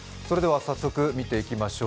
早速見ていきましょう。